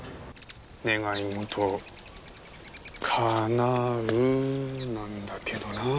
「願望かなう」なんだけどなあ。